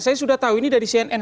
saya sudah tahu ini dari cnn